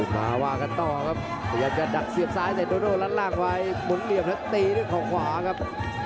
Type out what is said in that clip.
พยายามจะดักเสียบซ้ายในโดโดล้านล่างไว้หมุนเหลี่ยมแล้วตีด้วยข่อขวาครับ